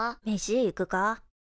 めし行くか。